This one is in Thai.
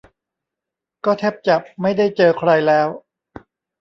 ก็แทบจะไม่ได้เจอใครแล้ว